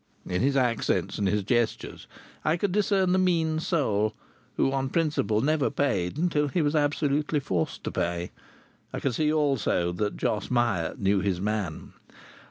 In his accents and his gestures I could discern the mean soul, who on principle never paid until he was absolutely forced to pay. I could see also that Jos Myatt knew his man.